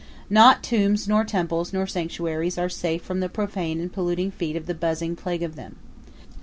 Not tombs nor temples nor sanctuaries are safe from the profane and polluting feet of the buzzing plague of them.